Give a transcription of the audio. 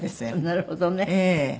なるほどね。